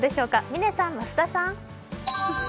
嶺さん、増田さん。